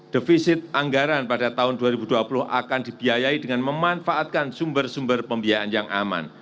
defisit anggaran pada tahun dua ribu dua puluh akan dibiayai dengan memanfaatkan sumber sumber pembiayaan yang aman